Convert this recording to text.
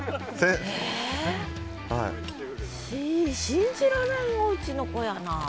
信じられんおうちの子やなあ。